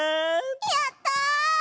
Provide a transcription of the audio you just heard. やった！